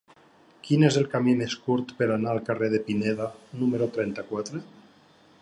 Quin és el camí més curt per anar al carrer de Pineda número trenta-quatre?